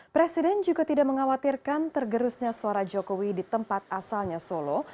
presiden juga tidak mengkhawatirkan tergerusnya suara jokowi di tempat asalnya solo